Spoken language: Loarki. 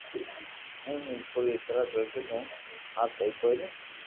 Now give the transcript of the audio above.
تو ھون پوري طرح گلت ھون ھين آ سھي ڪوئي نو